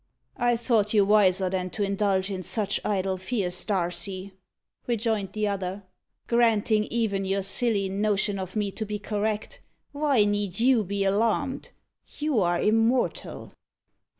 "I thought you wiser than to indulge in such idle fears, Darcy," rejoined the other. "Granting even your silly notion of me to be correct, why need you be alarmed? You are immortal."